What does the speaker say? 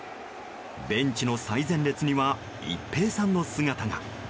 ベンチの最前列には一平さんの姿が。